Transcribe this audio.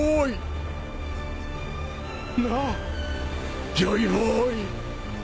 なぁジョイボーイ